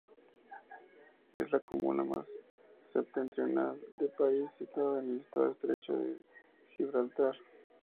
Es la comuna más septentrional del país, situada en el Estrecho de Gibraltar.